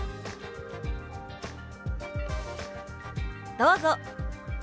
どうぞ！